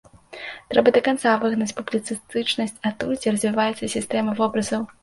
Трэба да канца выгнаць публіцыстычнасць адтуль, дзе развіваецца сістэма вобразаў.